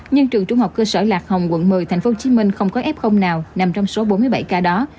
nhưng trường trung học cơ sở lạc hồng quận một mươi tp hcm không có f nào nằm trong số bốn mươi bảy ca đó